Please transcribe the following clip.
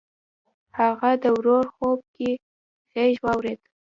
هغه د ورور خوب کې غږ واورېد.